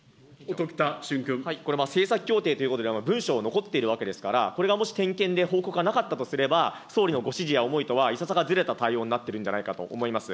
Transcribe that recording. これ政策協定ということで、文書が残っているわけですから、これがもし点検で報告がなかったとすれば、総理のご指示や思いとはいささかずれた対応になっているんじゃないかと思います。